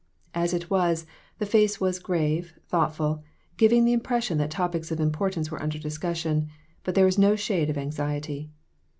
As it was, the face was grave, thoughtful, giving the impression that topics of importance were under discussion, but there was no shade of anxiety.